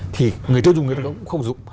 thì người tiêu dùng người ta cũng không dùng